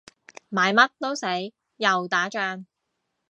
買乜都死，又打仗